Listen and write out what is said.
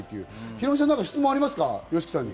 ヒロミさん、質問はありますか？